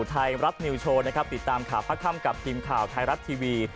ไทยรัฐนิวโชว์นะครับติดตามข่าวพระค่ำกับทีมข่าวไทยรัฐทีวี